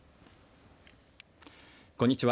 こんにちは。